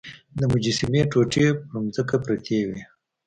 د مجسمې ټوټې په ځمکه پرتې وې.